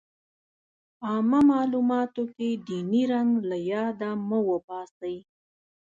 عامه معلوماتو کې ديني رنګ له ياده مه وباسئ.